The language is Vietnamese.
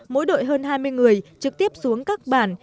mỗi đội hơn hai mươi người trực tiếp xuống các bản